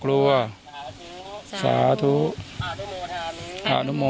สวัสดีครับ